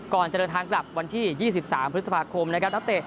ก่อนจะเดินทางกลับวันที่๒๓พฤษภาคมนะครับนักเตะ